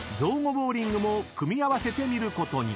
ボウリングも組み合わせてみることに］